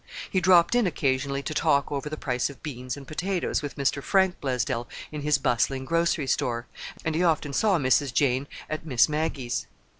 He dropped in occasionally to talk over the price of beans and potatoes with Mr. Frank Blaisdell in his bustling grocery store, and he often saw Mrs. Jane at Miss Maggie's.